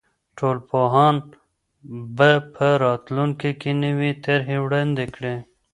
ټولنپوهان به په راتلونکي کې نوې طرحې وړاندې کړي.